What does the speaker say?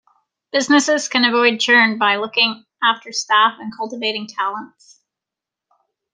Businesses can avoid churn by looking after staff and cultivating talents.